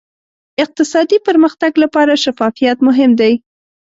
اقتصادي پرمختګ لپاره شفافیت مهم دی.